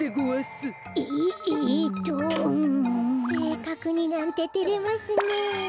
せいかくになんててれますねえ。